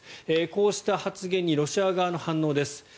こうした発言にロシア側の反応です。